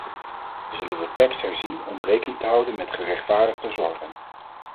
We zullen de tekst herzien om rekening te houden met gerechtvaardigde zorgen.